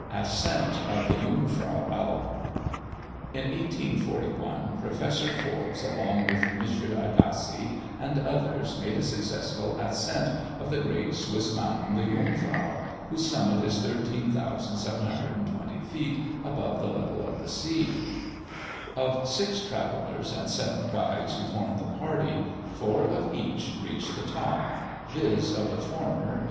ASCENT OF THE JUNGFRAU ALP. In 1841, Professor Forbes, along with M. Agassiz, and others, made a successful ascent of the great Swiss mountain, the Jungfrau, whose summit is 13,720 feet above the level of the sea. Of six travellers and seven guides who formed the party, four of each reached the top viz., of the former, MM.